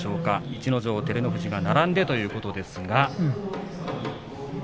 逸ノ城と照ノ富士が並んでということですが。